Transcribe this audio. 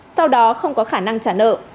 sau đó không có khả năng trả nợ